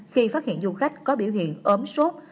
khi phát hiện du khách có biểu hiện ốm sốt